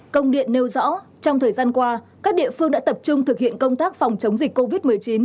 công điện nêu rõ trong thời gian qua các địa phương đã tập trung thực hiện công tác phòng chống dịch covid một mươi chín